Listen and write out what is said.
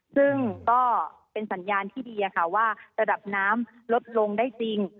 ซึ่งก็เป็นสัญญาณที่ดีว่าระดับน้ำลดลงได้จริง